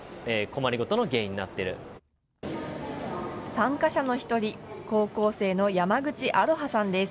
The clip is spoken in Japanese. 参加者の１人、高校生の山口愛葉さんです。